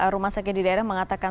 rumah sakit di daerah mengatakan